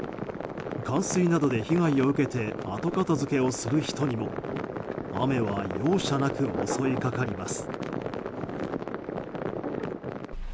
冠水などで被害を受けて後片付けをする人にも雨は容赦なく襲いかかります。